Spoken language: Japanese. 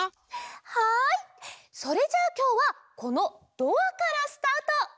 はいそれじゃあきょうはこの「ドア」からスタート！